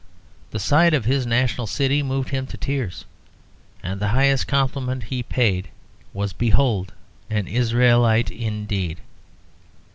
The sight of His national city moved Him to tears, and the highest compliment He paid was, "Behold an Israelite indeed."